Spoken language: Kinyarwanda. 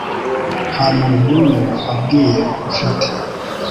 Nta muntu n'umwe wabwiye ufite